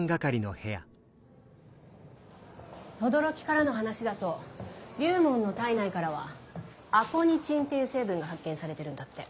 轟からの話だと龍門の体内からはアコニチンっていう成分が発見されてるんだって。